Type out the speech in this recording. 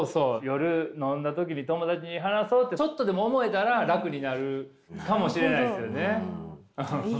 夜飲んだ時に友達に話そうってちょっとでも思えたら楽になるかもしれないですよね。